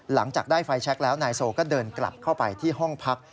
หลังจากได้ไฟแช็คแล้วนายโซก็เดินกลับเข้าไปที่ห้องพัก